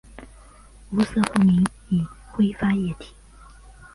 无色透明易挥发液体。